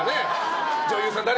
女優さん誰